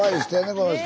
この人。